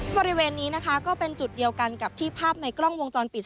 บริเวณนี้นะคะก็เป็นจุดเดียวกันกับที่ภาพในกล้องวงจรปิด